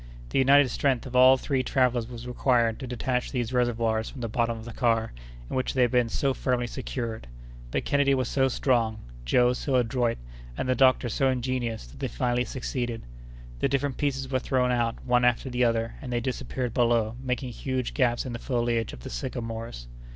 The united strength of all three travellers was required to detach these reservoirs from the bottom of the car in which they had been so firmly secured; but Kennedy was so strong, Joe so adroit, and the doctor so ingenious, that they finally succeeded. The different pieces were thrown out, one after the other, and they disappeared below, making huge gaps in the foliage of the sycamores.